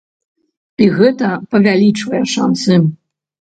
І гэта павялічвае шансы.